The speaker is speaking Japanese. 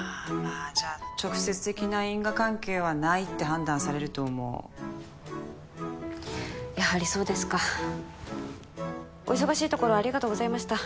あじゃあ直接的な因果関係はないって判断されると思うやはりそうですかお忙しいところありがとうございました